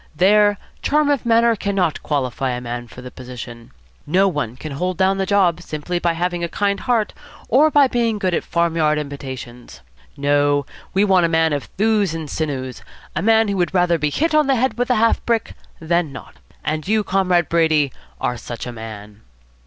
There charm of manner cannot qualify a man for the position. No one can hold down the job simply by having a kind heart or being good at farmyard imitations. No. We want a man of thews and sinews, a man who would rather be hit on the head with a half brick than not. And you, Comrade Brady, are such a man."